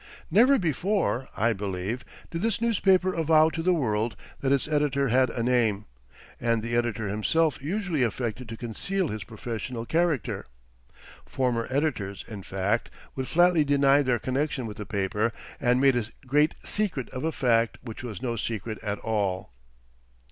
Never before, I believe, did this newspaper avow to the world that its editor had a name; and the editor himself usually affected to conceal his professional character. Former editors, in fact, would flatly deny their connection with the paper, and made a great secret of a fact which was no secret at all.